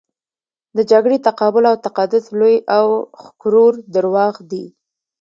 د جګړې تقابل او تقدس لوی او ښکرور درواغ دي.